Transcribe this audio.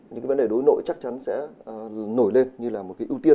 những cái vấn đề đối nội chắc chắn sẽ nổi lên như là một cái ưu tiên